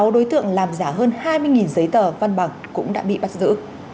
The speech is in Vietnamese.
sáu đối tượng làm giả hơn hai mươi giấy tờ văn bằng cũng đã bị bắt giữ